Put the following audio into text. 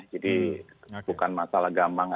jadi bukan masalah gamang atau tidak gamang ya